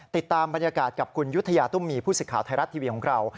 ติดตามบรรยากาศกับคุณยุธยาตุ้มมีผู้สิทธิ์ไทยรัฐทีวีของเรา